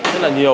rất là nhiều